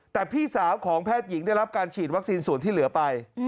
แต่พี่สาวของแพทย์หญิงได้รับการฉีดวัคซีนส่วนที่เหลือไป